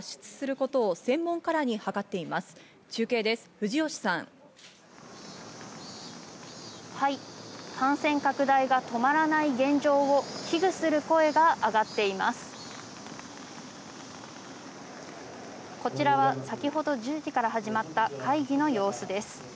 こちらは先ほど１０時から始まった会議の様子です。